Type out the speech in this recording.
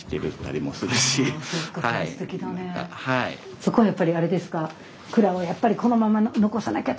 そこはやっぱりあれですか？